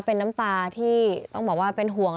เป็นน้ำตาที่ต้องบอกว่าเป็นห่วง